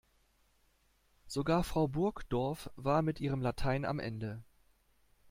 Sogar Frau Burgdorf war mit ihrem Latein am Ende.